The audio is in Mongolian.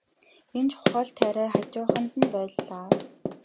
Энэ чухал тариа хажууханд нь байлаа.